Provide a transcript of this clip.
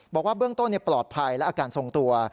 บอกว่าเบื้องต้นปลอดภัยและอาการทรงตัว